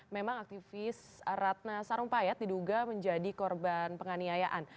memang aktivis ratna sarumpayat diduga menjadi korban penganiayaan